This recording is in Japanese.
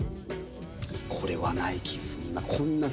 これはない気すんな。